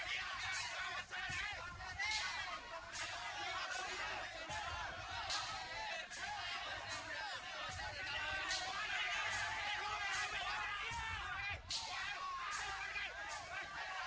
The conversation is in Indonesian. itu benar benar dia berusaha